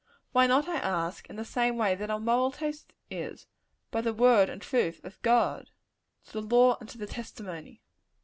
Why not, I ask, in the same way that our moral taste is by the word and truth of God? "To the law and to the testimony."